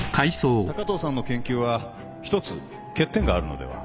高藤さんの研究は一つ欠点があるのでは？